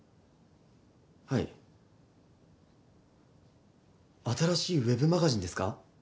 はい新しいウェブマガジンですか？